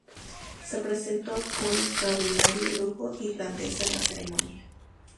Se presentó con extraordinario lujo y grandeza en la ceremonia.